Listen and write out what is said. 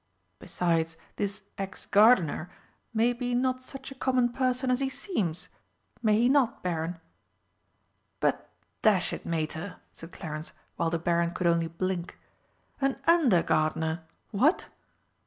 Besides, this ex gardener may be not such a common person as he seems may he not, Baron?" "But, dash it, Mater!" said Clarence, while the Baron could only blink, "an under gardener what!"